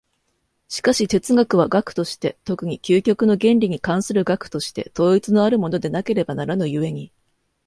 しかし哲学は学として、特に究極の原理に関する学として、統一のあるものでなければならぬ故に、